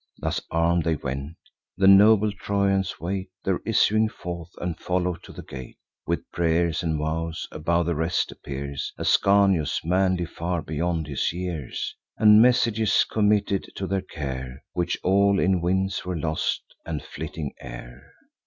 Thus arm'd they went. The noble Trojans wait Their issuing forth, and follow to the gate With prayers and vows. Above the rest appears Ascanius, manly far beyond his years, And messages committed to their care, Which all in winds were lost, and flitting air.